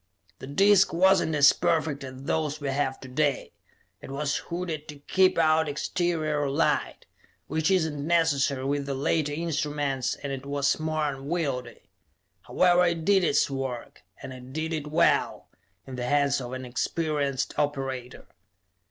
The disc was not as perfect as those we have to day; it was hooded to keep out exterior light, which is not necessary with the later instruments, and it was more unwieldy. However, it did its work, and did it well, in the hands of an experienced operator.